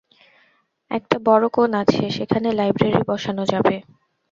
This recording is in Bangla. একটা বড় কোণ আছে, সেখানে লাইব্রেরী বসান যাবে।